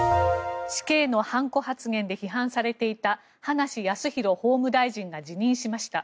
死刑の判子発言で批判されていた葉梨康弘法務大臣が辞任しました。